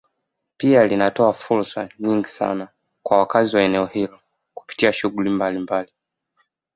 Pia linatoa fursa nyingi sana kwa wakazi wa eneo hilo kupitia shughuli mbalimbali